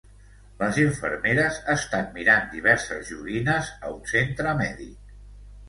Les infermeres estan mirant diverses joguines a un centre mèdic.